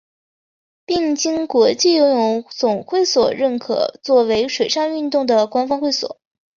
并经国际游泳总会所认可作为水上运动的官方会馆。